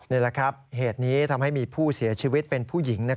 นี่แหละครับเหตุนี้ทำให้มีผู้เสียชีวิตเป็นผู้หญิง